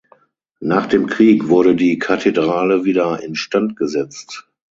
Nach dem Krieg wurde die Kathedrale wieder instandgesetzt.